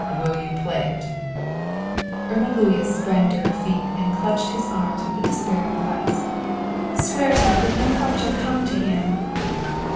Will you play it?" Irma Gluyas sprang to her feet and clutched his arms with a despairing clasp. "Swear to me that no harm shall come to him!"